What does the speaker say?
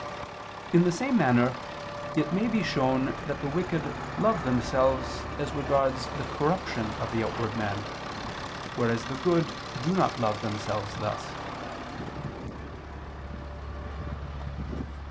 In the same manner it may be shown that the wicked love themselves, as regards the corruption of the outward man, whereas the good do not love themselves thus.